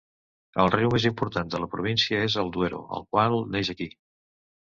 El riu més important de la província és el Duero, el qual neix aquí.